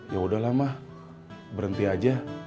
yaudah lah ma berhenti aja